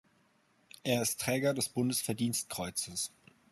Er ist Träger des Bundesverdienstkreuzes.